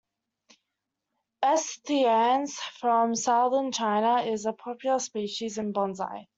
"S. theezans", from southern China, is a popular species in bonsai.